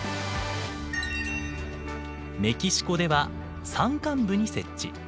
メキシコでは山間部に設置。